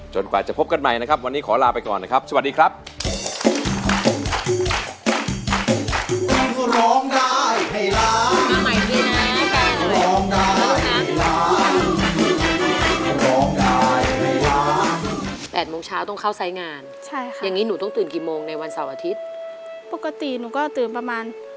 กว่าจะพบกันใหม่นะครับวันนี้ขอลาไปก่อนนะครับสวัสดีครับ